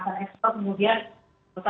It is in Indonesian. pada spesifikasi pengembangan sumber daya